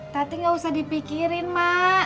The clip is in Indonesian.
tapi gak usah dipikirin mak